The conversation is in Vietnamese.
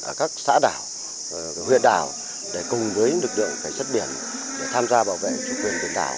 ở các xã đảo huyện đảo để cùng với lực lượng cảnh sát biển để tham gia bảo vệ chủ quyền biển đảo